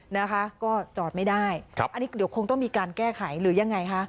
นะคะก็จอดไม่ได้อันนี้เดี๋ยวคงมีการแก้ไขหรือยังไง